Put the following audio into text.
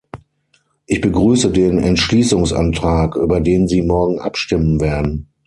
Ich begrüße den Entschließungsantrag, über den Sie morgen abstimmen werden.